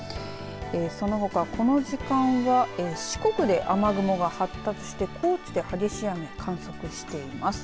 そのほか、この時間は四国で雨雲が発達して高知で激しい雨を観測しています。